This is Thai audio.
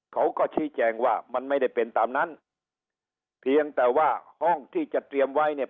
เขาก็ชี้แจงว่ามันไม่ได้เป็นตามนั้นเพียงแต่ว่าห้องที่จะเตรียมไว้เนี่ย